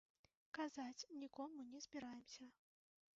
Казаць нікому не збіраемся.